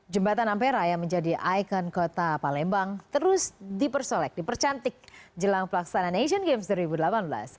jembatan ampera yang menjadi ikon kota palembang terus dipersolek dipercantik jelang pelaksanaan asian games dua ribu delapan belas